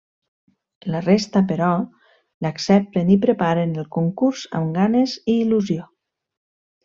La resta però, l'accepten i preparen el concurs amb ganes i il·lusió.